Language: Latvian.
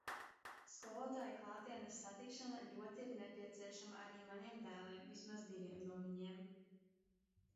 Skolotāju klātienes satikšana ļoti ir nepieciešama arī maniem dēliem, vismaz diviem no viņiem.